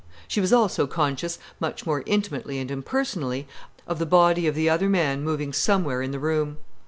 She was also conscious, much more intimately and impersonally, of the body of the other man moving somewhere in the room.